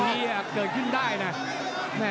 อีก๒นาทีเกิดขึ้นได้น่ะ